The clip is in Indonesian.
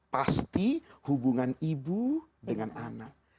pasti hubungan ibu dengan anak